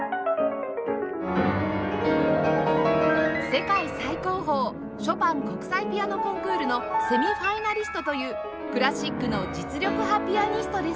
世界最高峰ショパン国際ピアノコンクールのセミファイナリストというクラシックの実力派ピアニストですが